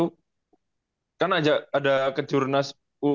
tidak ada yang mau balik lagi ke banyuwangi